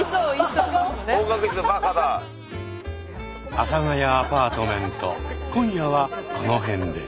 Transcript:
「阿佐ヶ谷アパートメント」今夜はこの辺で。